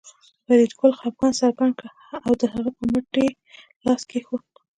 فریدګل خپګان څرګند کړ او د هغه په مټ یې لاس کېښود